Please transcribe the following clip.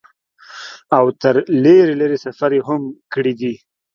او تر لرې لرې سفرې هم کړي دي ۔